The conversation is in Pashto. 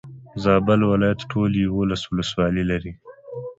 زابل ولايت ټولي يولس ولسوالي لري.